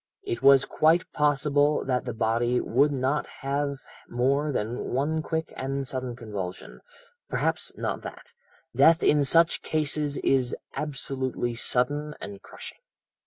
It was quite possible that the body would not have more than one quick and sudden convulsion, perhaps not that; death in such cases is absolutely sudden and crushing.'